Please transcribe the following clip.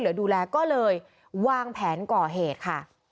ดูแลก็เลยวางแผนก่อเหตุค่ะ